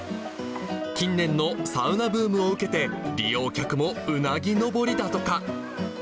近年のサウナブームを受けて、利用客もうなぎ登りだとか。